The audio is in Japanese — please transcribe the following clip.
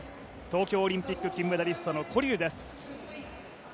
東京オリンピック金メダリストのコリルです。